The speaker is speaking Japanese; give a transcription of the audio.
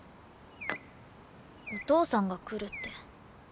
お父さんが来るって。